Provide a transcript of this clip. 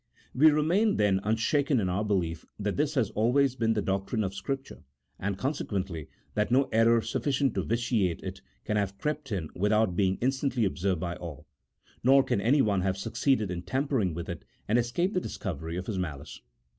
We remain, then, unshaken in our belief that this has always been the doctrine of Scripture, and, consequently, that no error sufficient to vitiate it can have crept in with out being instantly observed by all ; nor can anyone have succeeded in tampering with it and escaped the discovery of his malice.